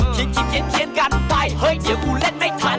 คิดคิดเคียนเคียนกันไปเฮ้ยเดี๋ยวกูเล่นไม่ทัน